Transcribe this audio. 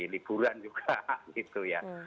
liburan juga gitu ya